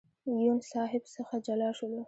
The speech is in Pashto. یون صاحب څخه جلا شولو.